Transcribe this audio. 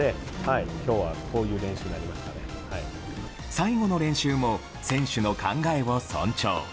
最後の練習も選手の考えを尊重。